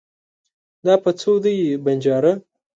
دا په څو دی ؟ بنجاره